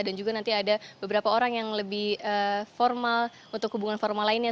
dan juga nanti ada beberapa orang yang lebih formal untuk hubungan formal lainnya